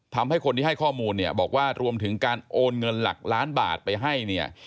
ทำคนที่ให้ข้อมูลบอกว่ารวมถึงการโอนเงินหลักพันล้านบาทไปให้